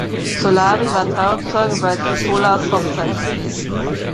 Solari war Trauzeuge bei Zolas Hochzeit gewesen.